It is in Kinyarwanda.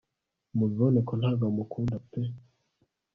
Mubibonaeka ntago amukunda pe